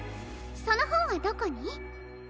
そのほんはどこに？